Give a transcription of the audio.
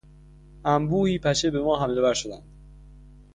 انبوهی پشه به ما حملهور شدند.